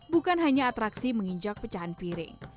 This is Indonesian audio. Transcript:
bukan hanya atraksi menginjak pecahan piring